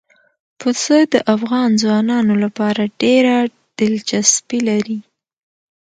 پسه د افغان ځوانانو لپاره ډېره دلچسپي لري.